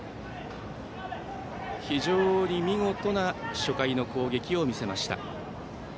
非常に見事な初回の攻撃を見せました。